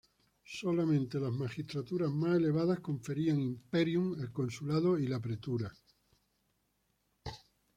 Solamente las magistraturas más elevadas conferían imperium: el consulado y la pretura.